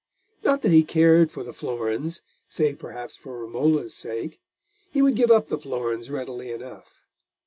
Not that he cared for the florins save perhaps for Romola's sake: he would give up the florins readily enough.